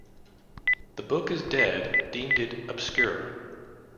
The Book is Dead deemed it "obscure".